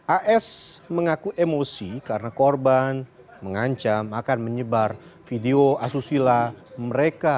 as mengaku emosi karena korban mengancam akan menyebar video asusila mereka